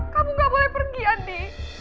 kamu gak boleh pergi andi